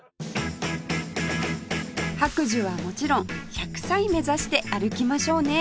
白寿はもちろん１００歳目指して歩きましょうね